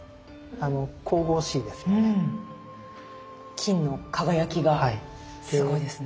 金の輝きがすごいですね。